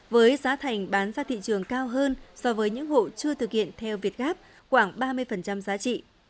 với giá thành bán ra thị trường cao hơn so với những hộ chưa thực hiện theo việt gáp khoảng ba mươi giá trị